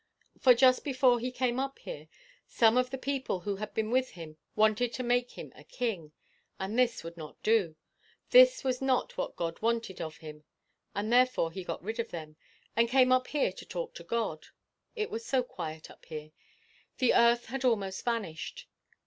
For just before he came up here, some of the people who had been with him wanted to make him a king; and this would not do this was not what God wanted of him, and therefore he got rid of them, and came up here to talk to God. It was so quiet up here! The earth had almost vanished.